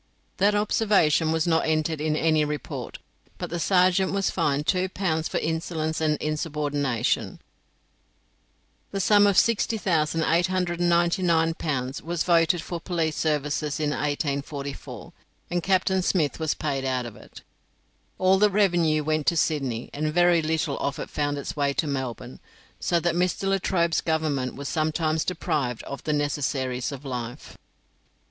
That observation was not entered in any report, but the sergeant was fined 2 pounds for "insolence and insubordination." The sum of 60,899 pounds was voted for police services in 1844, and Captain Smith was paid out of it. All the revenue went to Sydney, and very little of it found its way to Melbourne, so that Mr. Latrobe's Government was sometimes deprived of the necessaries of life.